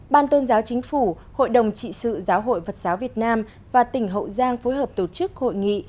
ban tôn giáo chính phủ hội đồng trị sự giáo hội phật giáo việt nam và tỉnh hậu giang phối hợp tổ chức hội nghị